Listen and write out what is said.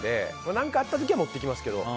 何かあった時は持っていきますけど。